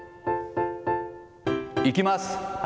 いきます。